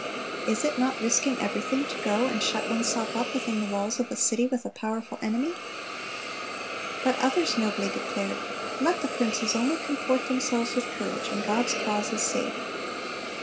"Is it not risking everything to go and shut oneself up within the walls of a city with a powerful enemy?" But others nobly declared, "Let the princes only comport themselves with courage, and God's cause is saved."